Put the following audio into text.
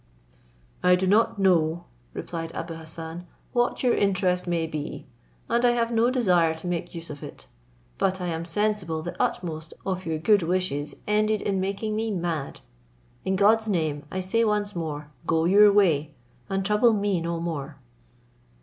"I do not know," replied Abou Hassan, "what your interest may be, and I have no desire to make use of it: but I am sensible the utmost of your good wishes ended in making me mad. In God's name, I say once more, go your way, and trouble me no more."